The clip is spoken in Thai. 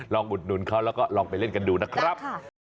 อุดหนุนเขาแล้วก็ลองไปเล่นกันดูนะครับ